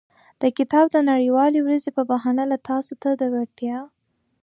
د کتاب د نړیوالې ورځې په بهانه له تاسو ته د وړیا.